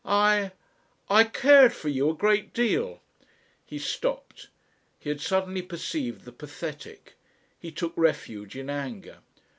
I ... I cared for you a great deal." He stopped. He had suddenly perceived the pathetic. He took refuge in anger.